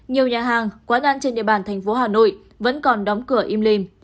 nhiều nhà hàng quán ăn trên địa bàn thành phố hà nội vẫn còn đóng cửa im lìm